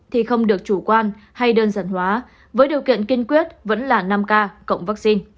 thì không được chủ quan hay đơn giản hóa với điều kiện kiên quyết vẫn là năm k cộng vaccine